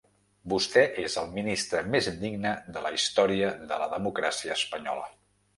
Vostè és el ministre més indigne de la història de la democràcia espanyola.